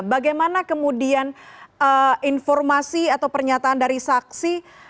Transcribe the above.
bagaimana kemudian informasi atau pernyataan dari saksi